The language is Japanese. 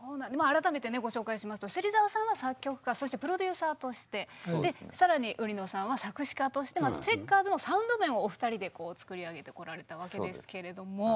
改めてねご紹介しますと芹澤さんは作曲家そしてプロデューサーとしてで更に売野さんは作詞家としてチェッカーズのサウンド面をお二人で作り上げてこられたわけですけれども。